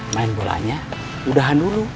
main bolanya udahan dulu